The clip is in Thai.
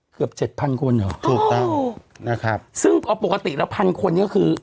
เกือบเจ็ดพันคนเหรอถูกต้องนะครับซึ่งเอาปกติแล้วพันคนก็คือ